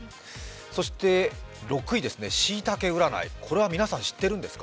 そして６位、しいたけ占い、これは皆さん、知っているんですか？